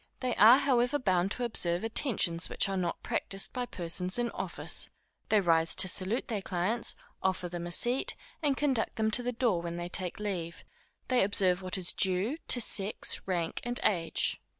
They are however bound to observe attentions which are not practised by persons in office. They rise to salute their clients, offer them a seat, and conduct them to the door when they take leave; they observe what is due to sex, rank, and age.